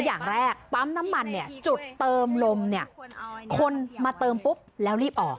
อย่างแรกปั๊มน้ำมันเนี่ยจุดเติมลมเนี่ยคนมาเติมปุ๊บแล้วรีบออก